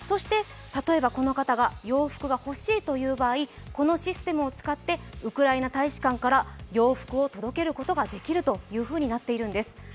例えばこの方が洋服が欲しいという場合このシステムを使ってウクライナ大使館から洋服を届けることができるというふうになっているんです。